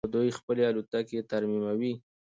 خو دوی خپلې الوتکې ترمیموي.